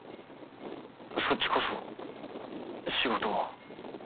そっちこそ仕事は？